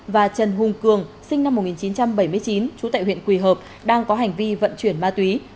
và trần hùng cường sinh năm một nghìn chín trăm bảy mươi chín trú tại huyện quỳ hợp đang có hành vi vận chuyển ma túy